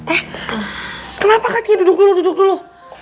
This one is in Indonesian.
eh kenapa kaki duduk dulu duduk dulu